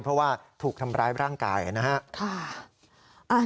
เพราะว่าถูกทำร้ายร่างกายนะครับ